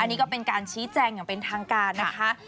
อันนี้ก็เป็นการชี้แจงอย่างเป็นทางการนะคะ